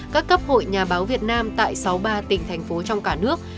các cấp hội nhà báo việt nam tại sáu mươi ba tỉnh thành phố trong cả nước